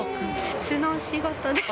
普通の仕事です。